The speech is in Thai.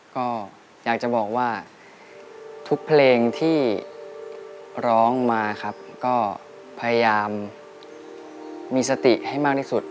ก็อยากจะบอกว่าทุกเพลงที่ร้องมาครับก็พยายามมีสติให้มากที่สุด